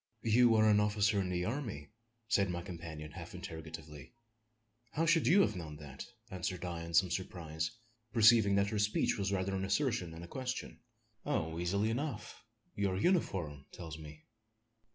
"You are an officer in the army!" said my companion, half interrogatively. "How should you have known that?" answered I in some surprise perceiving that her speech was rather an assertion than a question. "Oh! easily enough; your uniform tells me."